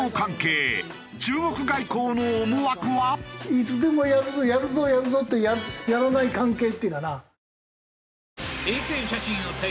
いつでもやるぞやるぞやるぞってやらない関係っていうかな。